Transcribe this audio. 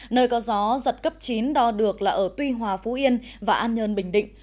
nơi có gió giật cấp chín đo được là ở tuy hòa phú yên và an nhơn bình định